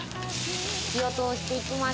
火を通していきます。